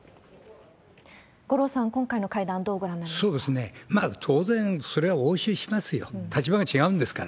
五郎さん、今回の会談、どうご覧になりますか？